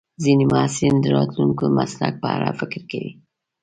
ځینې محصلین د راتلونکي مسلک په اړه فکر کوي.